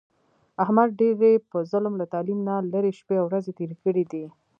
احمد ډېرې په ظلم، له تعلیم نه لرې شپې او ورځې تېرې کړې دي.